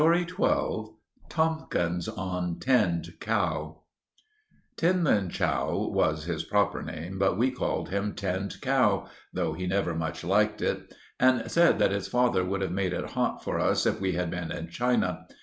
XII* *TOMKINS ON 'TINNED COW'* Tin Lin Chow was his proper name, but we called him 'Tinned Cow,' though he never much liked it, and said that his father would have made it hot for us if we had been in China.